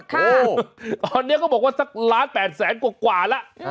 ตอนเนี้ยก็บอกว่าสักล้านแปดแสนกว่ากว่าแล้ว